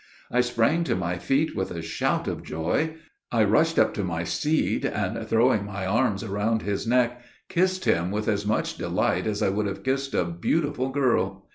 I sprang to my feet with a shout of joy. I rushed up to my steed, and, throwing my arms around his neck, kissed him with as much delight as I would have kissed a beautiful girl.